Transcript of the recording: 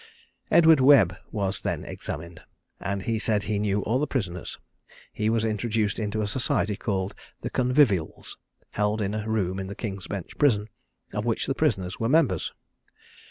Edward Webb was then examined, and he said he knew all the prisoners; he was introduced into a society, called "The Convivials," held in a room in the King's Bench Prison, of which the prisoners were members.